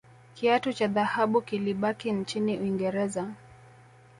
kiatu cha dhahabu kilibaki nchini uingereza